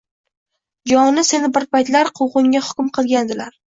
— Jon, seni bir paytlar Quvg‘inga hukm qilgandilar.